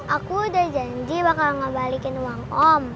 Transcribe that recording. aku udah janji bakal ngebalikin uang om